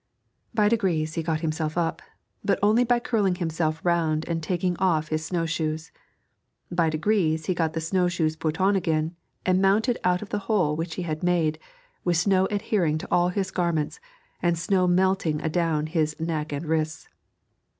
By degrees he got himself up, but only by curling himself round and taking off his snow shoes. By degrees he got the snow shoes put on again, and mounted out of the hole which he had made, with snow adhering to all his garments and snow melting adown his neck and wrists.